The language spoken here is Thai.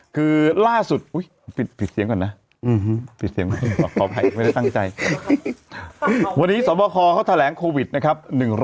คือล่าสุดปิดเสียงก่อนนะไม่ได้ตั้งใจวันนี้สวบคอเขาแถลงโควิดนะครับ